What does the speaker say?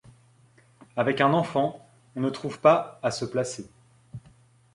Avec un enfant, on ne trouve pas à se placer.